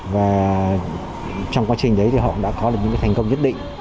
và trong quá trình đấy thì họ cũng đã có những cái thành công nhất định